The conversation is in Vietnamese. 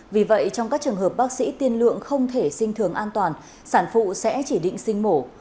vì vậy trong các trường hợp bác sĩ tiên lượng không thể sinh thường an toàn sản phụ sẽ chỉ định sinh mổ